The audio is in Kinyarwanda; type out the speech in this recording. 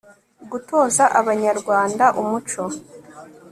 gutoza abanyarwanda umuco